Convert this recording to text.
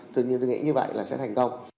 tuy nhiên tôi nghĩ như vậy là sẽ thành công